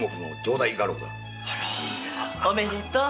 おめでとう。